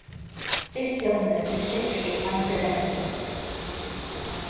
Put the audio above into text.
This illness is typically unpreventable.